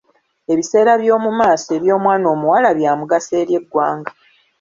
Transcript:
Ebiseera by'omu maaso eby'omwana omuwala byamugaso eri eggwanga.